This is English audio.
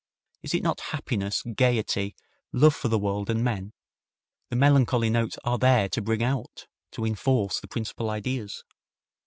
Is it not happiness, gayety, love for the world and men? The melancholy notes are there to bring out, to enforce the principal ideas.